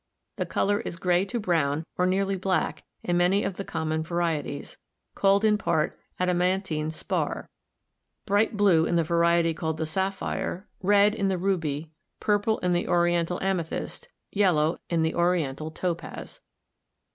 The color is gray to brown or nearly black in many of the com mon varieties, called in part adamantine spar; bright blue in the variety called the sapphire; red in the ruby; purple in the Oriental amethyst; yellow in the Oriental topaz.